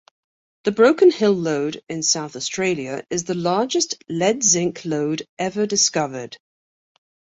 The Broken Hill Lode in South Australia is the largest lead-zinc lode ever discovered.